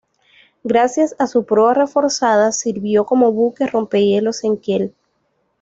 Gracias a su proa reforzada, sirvió como buque rompehielos en Kiel.